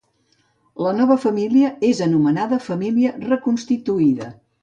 La nova família és anomenada família reconstituïda.